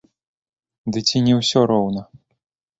Ды ці не ўсё роўна?!